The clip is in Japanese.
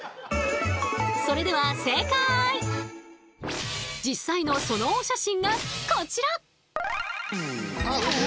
それでは実際のそのお写真がこちら！